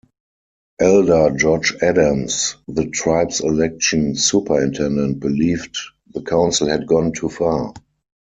Elder George Adams, the tribe's election superintendent, believed the council had gone too far.